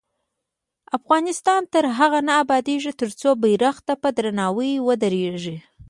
افغانستان تر هغو نه ابادیږي، ترڅو بیرغ ته په درناوي ودریږو.